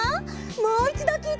もういちどきいてみるよ。